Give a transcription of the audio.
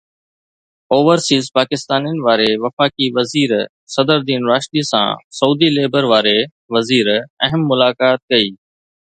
overseas پاڪستانين واري وفاقي وزير صدر الدين راشدي سان سعودي ليبر واري وزير اهم ملاقات ڪئي